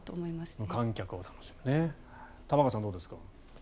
玉川さん、どうですか？